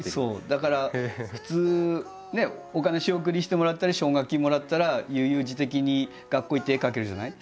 だから普通お金仕送りしてもらったり奨学金もらったら悠々自適に学校へ行って絵描けるじゃない？